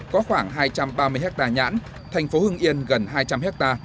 có khoảng hai trăm ba mươi ha nhãn thành phố hương yên gần hai trăm linh ha